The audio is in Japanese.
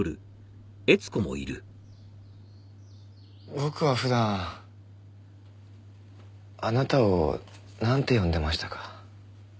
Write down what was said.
僕は普段あなたをなんて呼んでましたか？